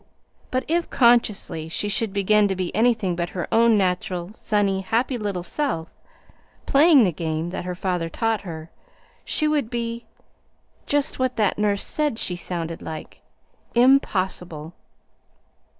"But if, consciously, she should begin to be anything but her own natural, sunny, happy little self, playing the game that her father taught her, she would be just what that nurse said she sounded like 'impossible.'